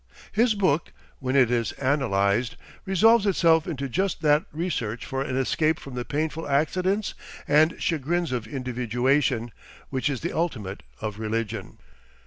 His book, when it is analysed, resolves itself into just that research for an escape from the painful accidents and chagrins of individuation, which is the ultimate of religion.